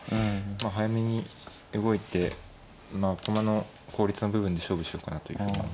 早めに動いて駒の効率の部分で勝負しようかなというふうに思いました。